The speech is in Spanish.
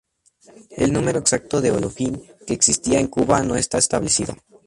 El número exacto de Ọlọ́fin que existía en Cuba no está establecido.